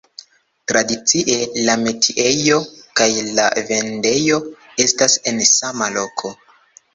Tradicie, la metiejo kaj la vendejo estas en sama loko.